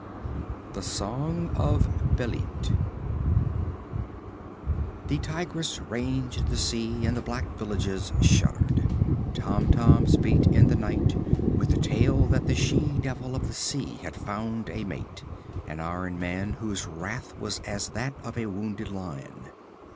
_ THE SONG OF BÊLIT The Tigress ranged the sea, and the black villages shuddered. Tomtoms beat in the night, with a tale that the she devil of the sea had found a mate, an iron man whose wrath was as that of a wounded lion.